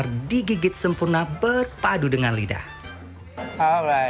jadi kita akan menggunakan kualitas yang lebih sederhana